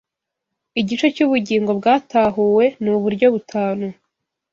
igice cy ubugingo bwatahuwe nuburyo butanu